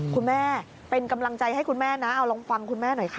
คุณแม่เป็นกำลังใจให้คุณแม่นะเอาลองฟังคุณแม่หน่อยค่ะ